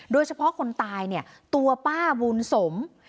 โดยเฉพาะคนตายเนี่ยตัวป้าบุญสม